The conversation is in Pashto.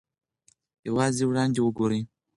یوازې وړاندې وګورئ.